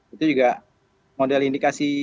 itu juga model indikasi